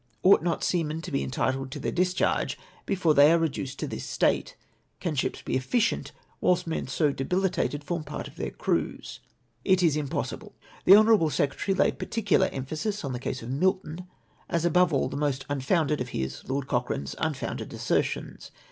Ought not seamen to be entitled to their discharge before they are reduced to this state ? Can ships be efficient whilst men so debilitated form part of their crews? " It is impossible. The honourable secretary laid j)articular emphasis on the case of Milton, as above all the most un founded of his (Lord Cochrane's) unfounded assertions.